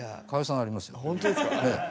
本当ですか？